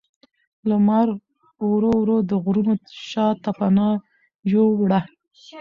لمر ورو ورو د غرونو شا ته پناه یووړه